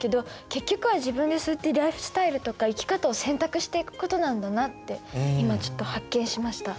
結局は自分でそういってライフスタイルとか生き方を選択していくことなんだなって今ちょっと発見しました。